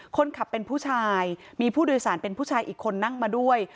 คนขับเป็นผู้ชายมีผู้โดยสารเป็นผู้ชายอีกคนนั่งมาด้วย